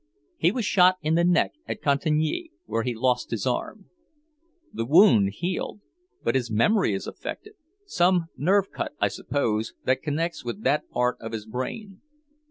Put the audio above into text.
He was shot in the neck at Cantigny, where he lost his arm. The wound healed, but his memory is affected; some nerve cut, I suppose, that connects with that part of his brain.